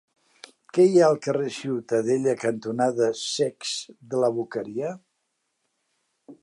Què hi ha al carrer Ciutadella cantonada Cecs de la Boqueria?